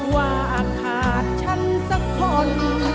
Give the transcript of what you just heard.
ว่าขาดฉันสักคน